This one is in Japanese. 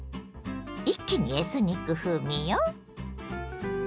一気にエスニック風味よ！